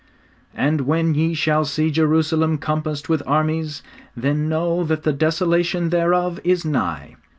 '_And when ye shall see Jerusalem compassed with armies, then know that the desolation thereof is nigh.